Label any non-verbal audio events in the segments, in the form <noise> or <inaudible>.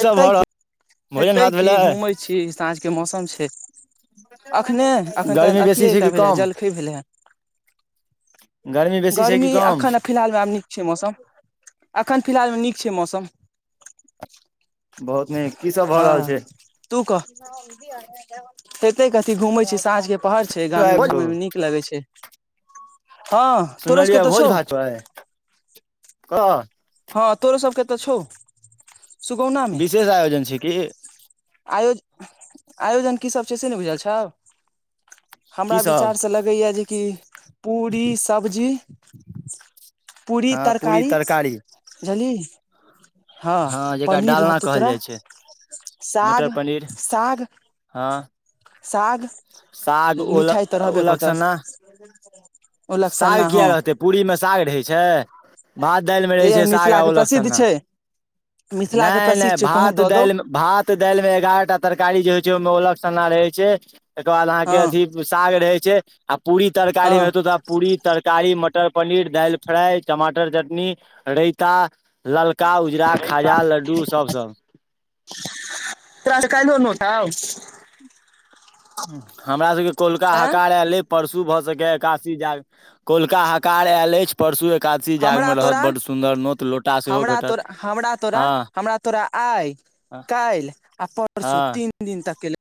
सब हैतै भऽ रहल क भोजन हेतै भात की घूमै भेलै छी साँझके मौसम छै अखने अखन गर्मी बेसी छै अथिएटा कि भेलै हे कम जलखै भेलै हेँ गर्मी बेसी छै कि कम फिलहालमे आब नीक छै मौसम अखन फिलहालमे नीक छै मौसम बहुत नीक की सब भऽ हँ रहल छै तू कह हेतै कथी घूमै छी साँझ के पहर छै गाममे घूममे नीक की लागै छै हँ तोरसके तऽ छौ त <unintelligible> ह <unintelligible> हँ तोरो सबके तऽ छौ सुगौना मे विशेष आयोजन छै की आयोजनआयोजन कीसभ छै से नहि बुझल छौ हमरा की सब विचारसँ लगैए जेकि पूरी सब्जी पूरी हँ पूरी तरकारी जली हँ जेकरा पनीर डालना रहतौ कहल तोरा जाइ छै मटर साग पनीर साग हँ साग साग ओल मिठाइ तऽ रहबे ओलक करतौ सन्ना साग किया रहतै पूरी मे साग रहै छै भात दालि मे रहै एह छय साग मिथिला के आब <unintelligible> लगसँ प्रसिद्ध ने छै मिथिला न के न प्रसिद्ध छै कहूँ भात दऽ दौ दाल में भात दालि में एगारह टा तरकारी जे होय छै ओहि में ओलग सना रहे छै एकर बाद अहाँ के हँ अथी साग रहे छय आ पूरी तरकारी में हँ हेतौ त पूरी तरकारी मटर पनीर दाइल फ्राइ टमाटर चटनी रायता ललका उजरा खाजा लड्डू सब तऽ अल क लोनत आ <unintelligible> हमरा सबके कोलका एँ हकार एलय परसू भऽ सकय एकासी जा कोलका हकार आयल अछि परसू एकादशी जाग हमरा में रहत तोरा बडड़ सुन्दर नोत लोटा सेहो हमरा भेटत तोरा हमरा तोरा हँ हमरा तोरा आय काल आ परसू हँ तीन दिन तक केे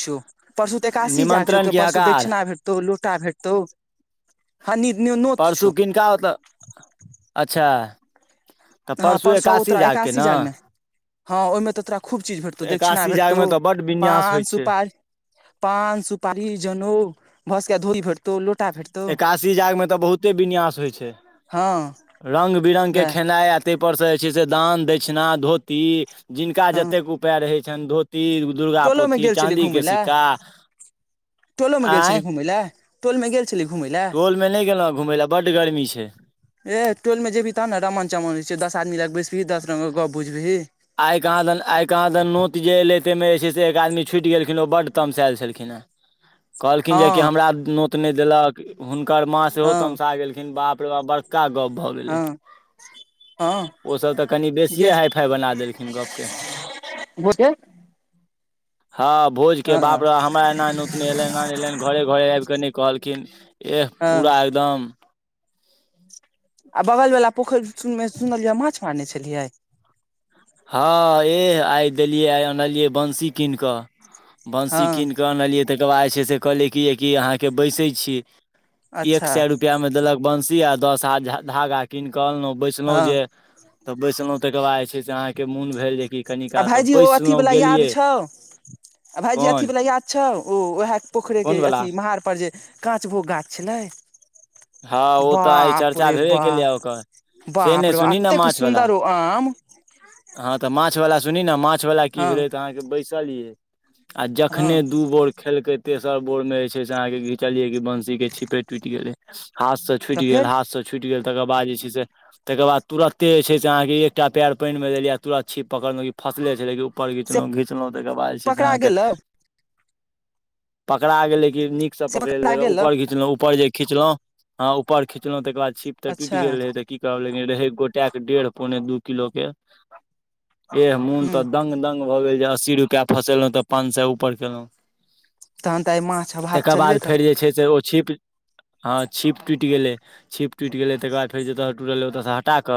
छौ परसू तऽ एकादसी जाग छौ निमन्त्रण त की परसू हकार दक्षिणा भेटतौ लोटा भेटतौ हँ नी नोत परसू छौ किनका ओते अच्छा तऽ हँ परसू आबौ एकासी तोरा जाग के एकादशी न मे हँ ओहि में तऽ तोरा खूब चीज भेटतौ तऽ दक्षिणा एकादशी भेटतौ जागमे तऽ बड्ड विन्यास पान होइ छै सुपार पान सुपारी जनेउ भसके धोई फेर एकासी जाग में तऽ बहुते विन्यास होइ छै हँ रंग बिरंग के वएह खेनाइ आत ताहिपरसँ जे छै से दान दक्षिणा धोती जिनका हँ जतेक उपाय रहै छइन धोती ती दुर्गा टोलो मे पोथी गेल छली चाँदी घुमय के लए सिक्का आँय मला तोल में गेल चली घुमलय टोल में न गेलहुँ घुमय लए बड्ड गरमी छै ए टोल में जेबही त ने रामण चमनइ छै दश आदी लग बैसबही दस रंगग गप बुझबही आइ कहाँ दन आइ कहाँ दन नोत जे एलै ताहिमे जे छय से एक आदमी छूटि गेलखिन ओ बड तमस आय छलखिन हँ <inaudible> कहलखिन जे कि हँ हमरा नोत नय देलक हुनकर माँ सेहो हँ तमसा गेलखिन बाप रे बाप ब्र का गप भऽ गेले हँ हँ ओ सब तऽ कनि बेसीए गेस हाई फाई बना दे गप के गोटे हाँ भोज के हँ बाद अहाँ हमरा एना नोत न एले एना न एले घरे घरे आबि के नय कहलखिन एह हँ पूरा एकदम आ बगल वालला पोखरिन सुनलियै माछ मारने छलियइ हँ एह आइ देलियै आइ अनलियै बंसी कीन क बंसी हँ कीन कऽ अच्छा <unintelligible> रुपयामे देलक बंसी आ दस हाथ धागा कीन कऽ अनलो बैसलो हँ जे तऽ बैसलो तेके बाद जे छै से अहाँके मोन भेल जेकि कनि आ काल तऽ भाईजी ओ बैसलहुँ अथीवला याद गेलियै छउ आ भायजी कोन अथीवला याद छउ ओ उएह पोखरिके कोन वला अथी मड़पर जे कच भो गाछ छलय हँ ओ ब तऽ आइ चर्चा पे ब भेबे केलै ओकर से बाप नहि रे बाप सुनी ने एतेक माछवला सुन्दर ओ आम हँ तऽ माछवला सुनी ने माछवला की हँ भेलै त अहाँके बैसल यै आ हँ जखने दू बोर खेलके तेसर बोर में जे छय से अहाँ के घिचलिये क बंसी के छिपे टूट गेले हाथ से तऽ छूटि गेल फेर हाथसँ छूटि गेल तकर बाद जे छय से तकर बाद तुरते जे छै से अहाँके एकटा पयर पानि मे देलियै तुरत छीप पकड़लहुं कि फसले छलै कि ऊपर से घिचलो घिच लो तऽ तेकय बाद जे छै पकड़ा आहाँ क गेलौ पकड़ा गैलय की निक स से पकड़ा पकड़ेलू गेलौ ऊपर खीचलऊ ऊपर जे खीचलो हं ऊपर खिचलो तकर बाद छीप त टूटि अच्छा गेल रहे त की कहब लेकिन रहै गोटा के डेढ़ पौने दू किलो के एह मोन तऽ हूँ दंग दंग भऽ गेल जे अस्सी रुपैआ फसेलहुँ तऽ पान सौ ऊपर केलहुँ तहन तऽ आइ माछ आ भात तकर चलबे बाद फेर जे करतै छै से ओ छिप हँ छीप टुट गेलै छीप टुट गेलै तकर बाद फेर जत सँ टुटलै ओत सँ हटा क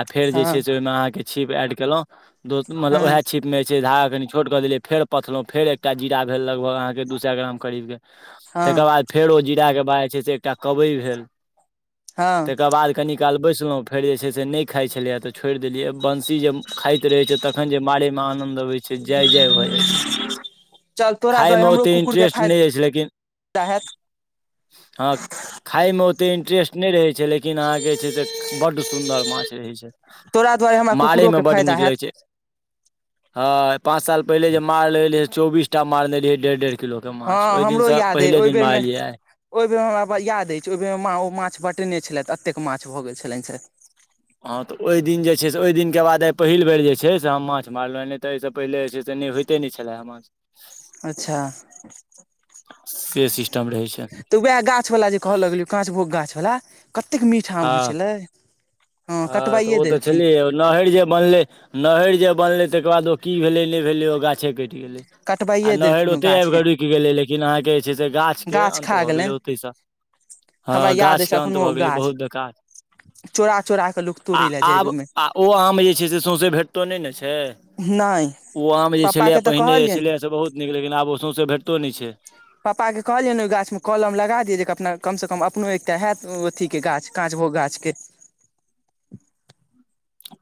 आ फेर जे हँ छै से ओहिमे अहाँके छीप एड केलहुँ दो हँ मतलब उएह छीप मे छै धागा कनि छोट क देले फेर पथलो फेर एकटा जीरा भेल लगभग अहाँ के दू सए ग्राम करीब कऽ हँ तेके बाद फेर ओ जीरा के बाद जे छै से एकटा कबई भेल हँ तेके बाद कनी काल बैसलहुँ फेर जे छै से नहि खाइत छलैय तऽ छोड़ि देलियै बंसी जे खाइत रहै छै तखन जे मारैमे एतना आनद अबै छै जय जय भए जाइ छै चल तोरा खाय मे ओते इंट्रेस्ट न अछि लेकिन ताहक हँ खााय में ओते इंटरेस्ट नहि रहे छै लेकिन लेकिन अहा के जे छै से बड सुंदर माछ रहे छै तोरा दुआरे हमरा मारे कुकुरो के में बड फायदा नीक लगे हैत छै ह पाँंच साल पहिल जे मारय लगरिहे चौबीसटा मारने रहिए रहे डेढ़ डेढ़ किलो के माछ हँ ओहि हमरो दिनसँ याद अइ पहिले ओहि दिन बेर मे मार लिये आई ओहि बेरमे हमरा याद अछि ओहि बेर माँ ओ माछ बँटेने छलथि एतेक माछ भऽ गेलै छलनि हँ तऽ ओहि दिन जे छै से ओहि दिन के बाद आइ पहिल बेर जे छै से हम माछ मारलहु ह नहि तऽ एहिसँ पहिले जे छै से तने होइते नहि छलै माछ अच्छा से सिस्टम रहै छै तऽ वएह गाछ वलाा जे कहऽ लगलियै काँचभोग गाछ वला कतेक मीठ आम होइ हँ छलै हँ त कटबाइए ओत देलखिन छलियै नहर जे बनले नहर जे बनलै तकर बाद ओ की भेलै नहि भेलै ओ गाछे कटि गेलै आ कटबाइए नहैर देलखिन ओ ओते आबि क गाछके रुकि गेलै लेकिन अहाँके जे छै से गाछ के अन्त खा भ गेलनि गेलै ओतहि सँ हमरा हँ याद गाछ अछि के अन्त भ गेलै बहुत बेकार क चोरा के लुक आ आब आ ओ आम जे छै से सोसे भेटतो नहि न छै नहि ओ आम जे छलैए पप्पाके तऽ पहिने कहलियनि छलै से बहुते नीक लेकिन आब ओ सौंसे भेटतो नहि छै पापाके कहलियनि ने ओहि गाछमे कलम लगा दियै जे अपना कमसँ कम अपनो एकटा हैत ओ अथीके गाछ काँचभोगा गाछके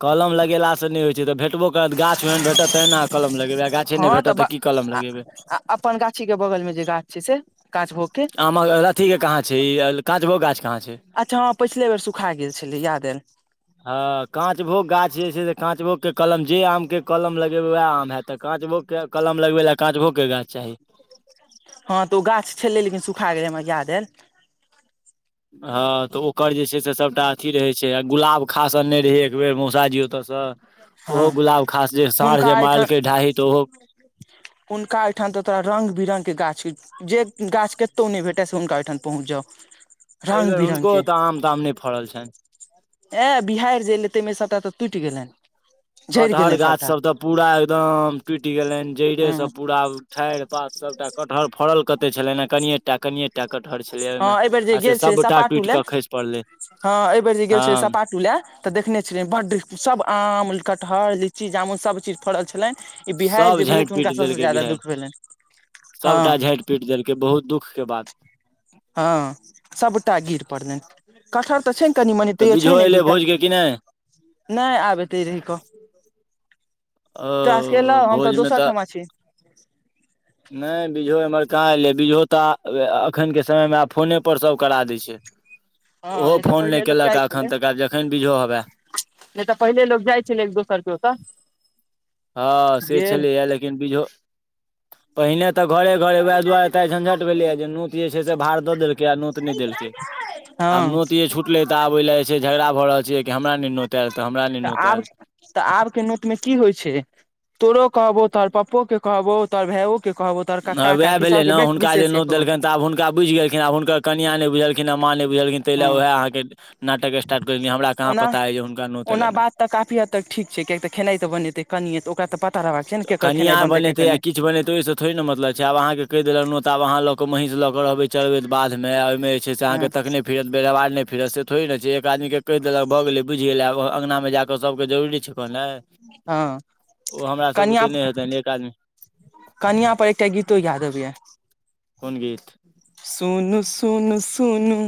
कलम लगेलासँ नहि होइ छै तऽ भेटबो ओकर गाछ ओहन भेटत तहन अहाँ कलम लगेबै गाछै न हँ भेटत तऽ त की कलम लगेबै अपन गाछी के बगल में जे गाछ छै से काँचभोगके आमक अथी के कहाँ छै ई काँचभोग गाछ कहाँ छै अच्छा हँ पछिले बेर सुखा गेल छलै याद आयल हँ काँचभोग गाछ जे छै से काँचभोग के कलम जे आम के कलम लगेबे वएह आम हेत तऽ काँचभोग के कलम लगबे ला काँचभोग के गाछ चाही हँ तऽ ओ गाछ छलैय लेकिन सुखा गेलै हमरा याद आयल हँ त ओकर जे छै से सभटा अथी रहै छै आ गुलाब खासन नहि रहै एक बेेर मौसा जी ओतय सँ हँ ओहो गुलाब खास जे साँढ़ हुनका जे एहिठाम मारालके ढाही तऽ ओहो हुनका हिठाम तऽ तोरा रंग बिरंगक के गाछ जे गाछ केतौ न भेटैय से हुनका ओठान पहुँच जाउ एहि रंग बेेर बिरंग हुनको के तऽ आम ताम नय फड़ल छनि ए बिहार जाय लै ताहि में सभटा तऽ टुटि गेलनि झड़ि कटहर गेलनि गाछ सभटा सब तऽ पूरा एकदम टूइट गेलनि जड़े हँ सब पूरा ठारि पात सबटा कठहर फरल कते छलनि ह कनियेटा कनिय एकटा कटहर छलै ओहिमे हँ एहिबेर जे आ से गेल छलै सबटा सपाटू टूटि लए कऽ खसि पड़लै हँ एहि बेेर जे गेल हँ छलय सपाटू लए तऽ देखने छलिय बड्ड सब आम कटहर लीची जामुन सब चीज फड़ल छलय ई बिहार सभ जे भेलै झाँटि तऽ हुनका पीट सबस देलकै ज्यादा बिहाड़ि दुःख भेलन ह सभटा झाँटि पीट देलकय बहुत दुख के बात हँ सबटा गिर पड़लनि कटहर तऽ छय ने कनि मने तऽ तैयो छय बीजहो ने एक एलै दूटा भोज के कि नहि नहि आब एते रहि कऽ टास्क एलउ ओ हम तऽ भोज मे दोसर ठमा छी नहि बीजों एम्हर कहाँ एलै बीजो तऽ एखनके समयमे आब फोनेप सभ करा दै छय हँ नइ तऽ पहिले लोक जाइ छै एखन ल तक आब जखन बीजो हवए नय तऽ पहिले लोक जाइ छलै एक दोसर के ओतऽ हँ से गेल छलैया लेकिन बीझो पहिने तऽ घरे घरे उएह दुआरे तऽ झंझट भेलैया जे नोत जे छै से भार देलकै आ नोत नहि देलकै आब हँ नोत जे छूटलै तऽ आब ओहि ल जे छय झगड़ा भऽ रहल छैै कि हमरा नहि नोत आयल तऽ हमरा नहि नोत आयल तऽ आब के नौत मे की होइ छय तोरो कहबो तऽ पाप्पा के कहबो त भायइो के कहबो तोहर हँ कक्का उएह काकी भेलै सबके ने व्यक्ति हुनका जे विशेष के नो कहू देलनि तऽ आब हुनका बुझि गेलखिन आब हुनकर कनियाँ नहि बुझलखिन आ माँ नय बुझलखिन ताहि लए हँ वएह अहाँके नाटक स्टार्ट कर हमरा कहाँ पता हय जे हुनका नोत एले त काफी हद तक ठीक छै किय तऽ खेनाइ तऽ बनेतैनिय त ओकराऽ प कनिया बनेतै या किछ बनेतै ओहिसँ थोेरी ने मतलब छै आब अहा के क के देलक न तबह ल के मेहं ल के रहे छय चढ़बैत बादमे ओहि में जे छै से अहाँके हँ तखने फिरत बेरवार नहि फित से थोड़े ने छै एक आदमीके कहि देलक भऽ गेलै बुझि गेल आ अँगनामे जाकऽ सभके जरूरी छै कहलहुै हं सब बत नय हतै एक आदमी कनिआँ पर एकटा गीतो याद अबय या कोन गीत सुनू सुन सुनू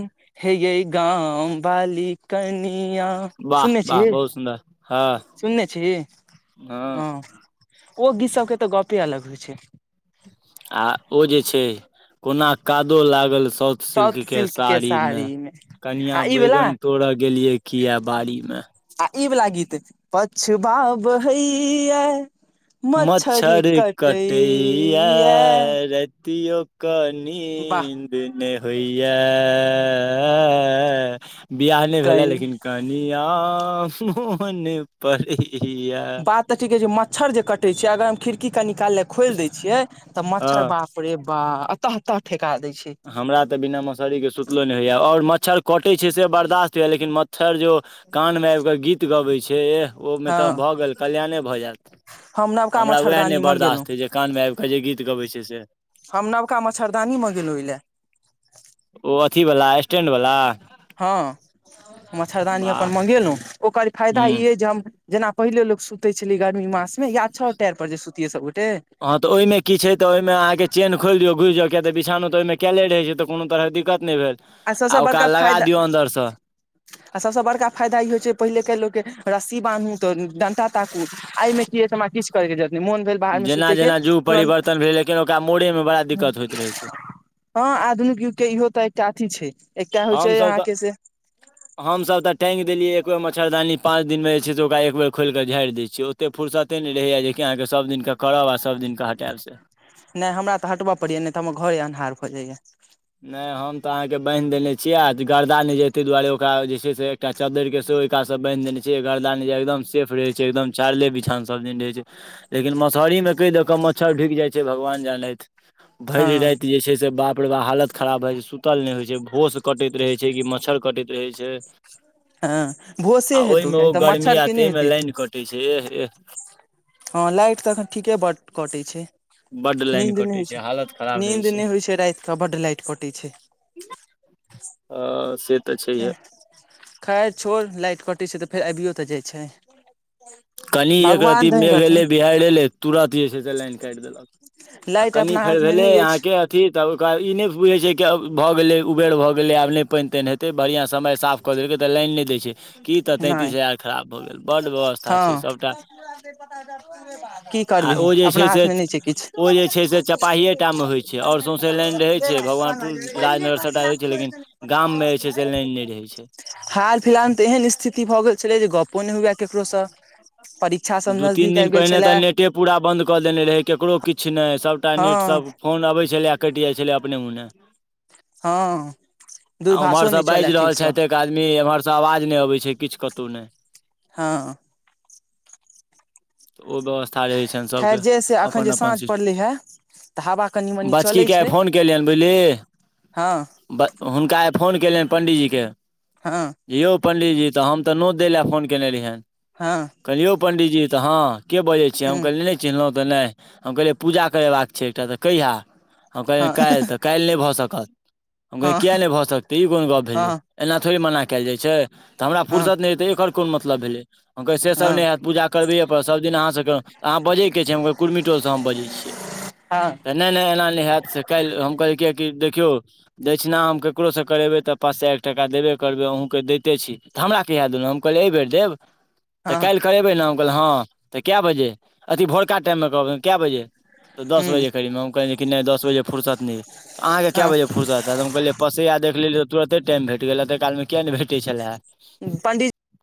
हे यय गाम बाली कनिया वाह सुनने छी वाह बहुत सुन्दर हँ सुनने छी हँ ओ गीत सबके तऽ गपे अलग होइ छय आ ओ जे छय कोना कादो लागल शौ सिल्क के साड़ी में आ कनिया ई वला बैगन तोरो गेलिये किया बाड़ी में आ ई वला गीत छै पछबा बहैया मच्छर कटइया रतियओ कऽ वाह नीन्द नहि होइया <unintelligible> बियाह नहि भेले कनि लेकिन कनि आ मो नहि पड़ैय बात तऽ की कहे छै मच्छर जे कटे छय अगर हम खिड़की क निकाल ले खोल द छियइ तऽ मच्छर हँ बाप रे बा आ तह तह ठेका दै छय हमरा तऽ बिना मसहरीके सुतलो नय होइए आओर मच्छर कटै छै से बर्दश्त होइए लेकिन मच्छर जो कानमे आबि कऽ गीत गबैत छै एह ओहि में तऽ हँ भऽ गेल कल्याणे भऽ जायत हम नवका हमरा उ है नहि मच्छरदानी मंगेलहुँ बर्दाश्तए जे कानमे आबि कऽ जे गीत गबै छै से हम नबका मच्छरदानी मगेलहुँं ओएलै ओ अथी वलला स्टैंड वलला हँ मच्छरदानी वाह अपन मंगेलहुँ ओकर फायदा हूँ ई अइ जे हम जेना पहिले लोक सुते छलै गर्मी मास मे या छओ टायर पर जे सुतियै सबगोटे हँ तऽ ओहिमे की छै तऽ ओहिमे अहाँके चेन खोलि दौ घुरि जाउ किया तऽ बिछनो तऽ ओहिमे कये रहै छै तऽ कोनो तरहके दिक्कत नहि भेल आ सभसँ ओकरा बड़का लगा फायदा दियौ अन्दर से आ सबसँ बड़का फायदा ई होइ छै पहिलेके लोक रस्सी बान्हू तऽ डण्टा ताकू आइ मे कि अछि हमरा किछ कर के जरत मोन भेल बाहर मे जेना सुतेके जेना जुग तुरंन्त परिवर्तन भेलै लेकिन ओकरा मोड़ेमे बड़ा दिक्कत होइत रहै छै हँ आधुनिक युग के इहो तऽ एकटा अथी छै एकटा होइ छै हमसब तऽ अहाँके <inaudible> हमसभ तऽ टैंक देलियै एक बेर मच्छरदानी पाँच दिनमे जे छै से ओकरा एक बेर खोलिकऽ झाड़ि दे छियै एतेक फुरसते नहि रहैए जेकि अहाँके सभ दिनके करब आ सभ दिनक हटैब से नहि हमरा तऽ हटबय पड़या नहि तऽ हमर घरे अनाहर भ जइया नहि हम तऽ अहाँके बान्हि देने छियै आ गर्दा नहि जे ताहि दुआरे ओकरा जे छै से एकटा चददेर के सेहो ओहि कासँ बान्हि देने छै घरदा छै एकदम सेफ रहै छै एकदम चारले बिछाओ सब दिन रहै छै लेकिन मसहरीमे कै दऽ कऽ मच्छर ढुकि जाइत छै भगवान जानैत भरि हँ राति जे छै से बाप रे बाह हालत खराब भए जाइ छै सुतल नहि होइ छै भहोश कटैत रहै छै कि मच्छर कटैत रहै छै हँ भोसे आ हेतौ ओहिमे कियाक ओ तऽ गर्मी मच्छर के नहि आते मे हेतै लाइन कटे छै एह एह हँ लाइट तऽ एखन ठीके बड कटैत छै बड्ड लाइन नींन्द नहि कटै होइ छै हालत खराब रहै नींन्द नहि होइ छै राति कऽ बड लाइट कटे छै हँ से तऽ खैर छैहे खैर छोड़ लाइट कटै छै तऽ फेर अबियो तऽ जाइ छै कनि एक भगवान रती दहीन मेघ रहथुन एलै बिहहारड़ि एलै तुरन्त जे छै से लाइन काटि देलक आ लाइट कनि अपना फेर हाथ मे भेले नहि अहाँ के अछि कि तऽ ओकरा ई नहि बुझै छै कि भऽ गेलै उबेर भऽ गेलै आब नहि पानि तानि हेतै बढ़िआँ समय साफ कऽ देलकै तऽ लाइन नहि दै छै की तऽ तैंतीस नहि हजार खराब भऽ गेल बड्ड व्यवस्था छै हँ सभटा की आ करबी ओ जे अपना छै से हाथमे नहि छै किछ ओ जे छै से चपाहिए टा मे होइ छै आओर सौँसे लाइन रहै छै भगवानपुर पहिल राजनगर सभटा करै रहै छै लेकिन गाममे जे छै से छैले लाइन नहि रहै छै <unintelligible> हाल फिलहालमे तऽ एहन स्थिति भऽ गेल छलै जे गपो नहि हुए ककरोसँ परीक्षा सब नजदीक आबि गेल छलै टे पूरा बन्द कऽ देने रहै ककरो किछ नहि सबटा नेट हँ सब फोन अबै छलै आ कटि जाइ छलै अपने मुनहे हँ आ दूरभाषो ओम्हरसँ नहि चलए बाजि रहल ठीकसँ छथि एक आदमी एम्हरसँ आवाज नहि अबै छै किछ कतहु नहि हँ ओ व्यवस्था रहै छनि सभके खैर जे से एखन जे अपन अपन साँझ सीस्ट पड़लै हे तऽ हवा कनि मनि चलै बचकीके आई छै फोन केलियनि बुझलिहि हँ ब हुनका आइ फोन कयलियन पण्डीजी के हँ यौ पण्डीजी तऽ हम तऽ नोत दै लए फोन कने रहि हन हँ कहलिये यौ पंडी जी त हा के बजे छीे हम हूँ कहली नय चिन्हलौ तऽ नहि हम कहलिए पूजा करेबाके छै एकटा तऽ कहिया हम कहलिए हँ काल्हि तऽ काल्हि नहि भऽ सकत हम कहलिए हँ किए नहि भऽ सकतै ई कोन गप भेलै हँ हँ एना थोड़े मना कैल जाइत छै तऽ हमरा हँ फुर्सत नहि हेतै एकर कोन मतलब भेलैै हम कहलिये से सब नहि हँ हैत पूजा करबैय परत सब दिन आहाँ स करेलू आहाँ बाजी कय रहत छिये त हम कहलिए कुर्मी टोल स बैजय छियै हँ तऽ नहि नहि एना नहि हैत से काल्हि हम कहल किैए कि देखियौ दक्षिणा हम ककरोसँ करेबै तऽ पाँच सए एक टाका देबे करबै अहुूँके दैते छी तऽ हमरा कहिय देलहुँ हम कहलिय एहि बेर देब <inaudible> तऽ काल्हि करेबै ने हम कहनि हँ तऽ कए बजे अथिी भोरका टाइममे कहबै कए बजे तऽ दस हूँ बजे करीमे हम कहलिए छै कि दस बजे फुरसत नहि होय छै अहाँकेँ कए हँ बजे फुरसत त हम कहलियै पसै आ देखि लेलियै तऽ तुरते टाइम भेट गेलै एतहि कालमे किया नहि भेटै छलैय पंडी